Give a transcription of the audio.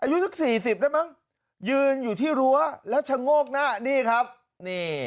อายุสักสี่สิบได้มั้งยืนอยู่ที่รั้วแล้วชะโงกหน้านี่ครับนี่